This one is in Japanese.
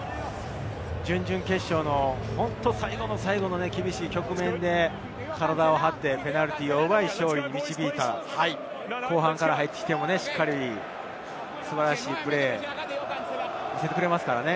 準々決勝の最後の最後の厳しい局面で、体を張って、ペナルティーを奪い、勝利に導いた、後半から入ってきてもしっかり素晴らしいプレーを見せてくれますからね。